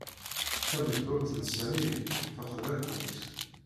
Tameddurt n Sami texḍa-kent.